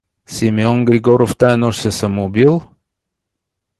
Симеон Григоров тая нощ се самоубил?